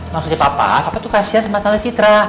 maksudnya papa papa tuh kasihan sama tante citra